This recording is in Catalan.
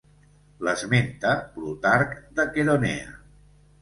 L'esmenta Plutarc de Queronea.